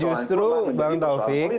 justru bang taufik